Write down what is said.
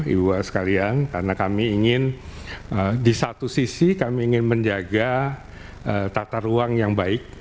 ibu ibu sekalian karena kami ingin di satu sisi kami ingin menjaga tata ruang yang baik